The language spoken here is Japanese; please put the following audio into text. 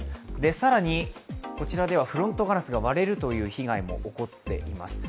更にこちらではフロントガラスが割れるという被害もあります。